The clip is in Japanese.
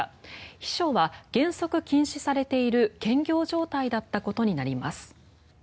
秘書は原則禁止されている兼業状態だったことになります。